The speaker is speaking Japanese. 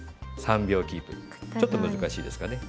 ちょっと難しいですかね。